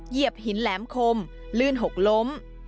เหยียบหินแหลมคมลื่นหกล้ม